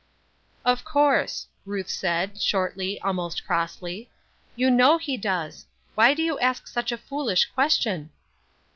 "Of course," Ruth said, shortly, almost crossly; "you know he does. Why do you ask such a foolish question?"